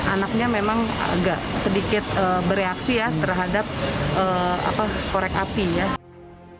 anaknya memang agak sedikit bereaksi ya terhadap korek api ya